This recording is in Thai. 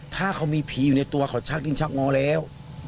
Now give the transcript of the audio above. ถ้าเขามีผีอยู่ในตัวของชาติจิ้งชาติมงอกแล้ว